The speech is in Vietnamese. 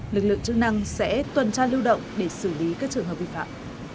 lực lượng chức năng sẽ tuần tra lưu động để xử lý các trường hợp vi phạm